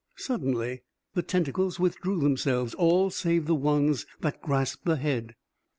Suddenly the tentacles withdrew themselves, all save the ones that grasped the head.